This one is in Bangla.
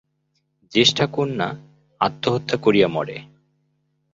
জ্যেষ্ঠা কন্যা আত্মহত্যা করিয়া মরে।